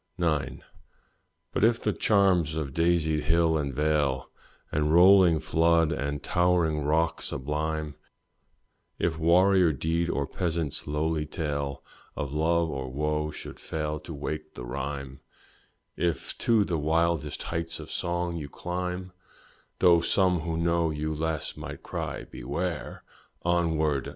IX. But if the charms of daisied hill and vale, And rolling flood, and towering rock sublime, If warrior deed or peasant's lowly tale Of love or wo should fail to wake the rhyme, If to the wildest heights of song you climb, (Tho' some who know you less, might cry, beware!) Onward!